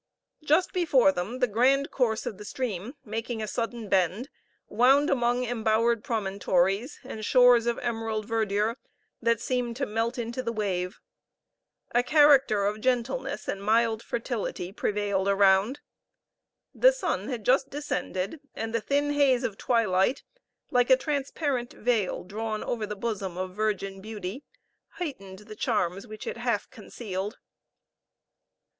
Just before them the grand course of the stream, making a sudden bend, wound among embowered promontories and shores of emerald verdure that seemed to melt into the wave. A character of gentleness and mild fertility prevailed around. The sun had just descended, and the thin haze of twilight, like a transparent veil drawn over the bosom of virgin beauty, heightened the charms which it half concealed.